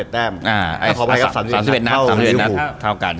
ถ้าพอไปก็๓๑นัดเท่ากัน